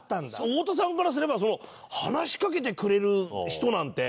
太田さんからすれば話しかけてくれる人なんて。